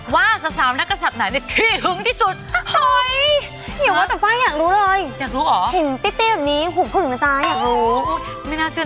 ว่าสาวนักกระสักหน่ายเนี่ยพี่หึงที่สุด